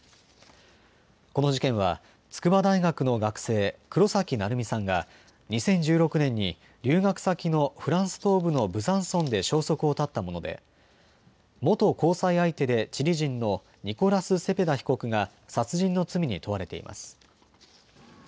この事件は筑波大学の学生、黒崎愛海さんが２０１６年に留学先のフランス東部のブザンソンで消息を絶ったもので元交際相手でチリ人のニコラス・セペダ被告が殺人の罪に問われています。